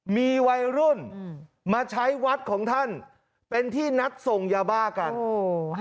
มีวัยรุ่นมาใช้วัดของท่านเป็นที่นัดส่งยาบ้ากันโอ้โห